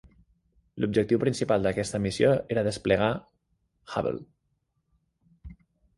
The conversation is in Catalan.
L'objectiu principal d'aquesta missió era desplegar Hubble.